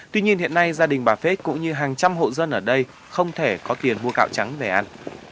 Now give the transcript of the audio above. tuy nhiên hiện nay gia đình bà phết cũng như hàng trăm hộ dân ở đây không thể có tiền mua gạo trắng về ăn